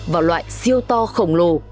vào loại siêu to khổng lồ